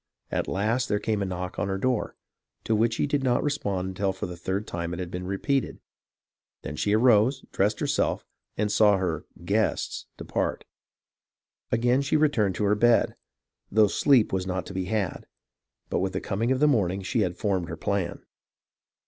At last there came a knock on her door, to which she did not respond until for the third time it had been repeated ; then she arose, dressed herself, and saw her "guests" depart. Again she returned to her bed, though sleep was not to be had ; but with the coming of the morning she had formed her plan.